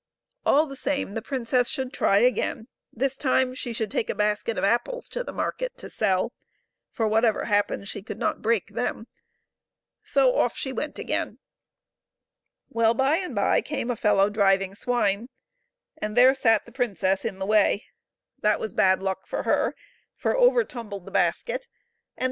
All the same, the princess should try again ; this time she should take a basket of apples to the market to sell ; for whatever happened she could not break them ; so off she went again. Well, by and by came a fellow driving swine, and there sat the princess in the way ; that was bad luck for her, for over tumbled the basket, and the 276 HOW THE PRINCESS'S PRIDE WAS BROKEN.